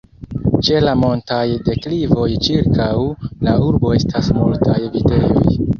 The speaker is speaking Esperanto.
Ĉe la montaj deklivoj ĉirkaŭ la urbo estas multaj vitejoj.